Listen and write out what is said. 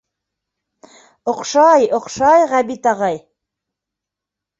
— Оҡшай, оҡшай, Ғәбит ағай.